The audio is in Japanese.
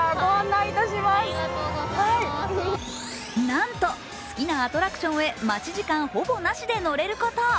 なんと、好きなアトラクションへ待ち時間ほぼなしで乗れること。